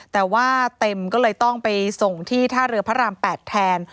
แต่ว่าเต็มก็เลยต้องไปส่งที่ท่าเรือพระราม๘แทน